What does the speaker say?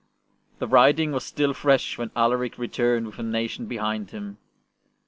The writing was still fresh when Alaric returned with a nation behind him.